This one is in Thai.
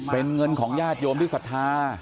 เป็นเงินของญาติโยมฤทธา